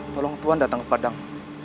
tolong tuhan datang ke padang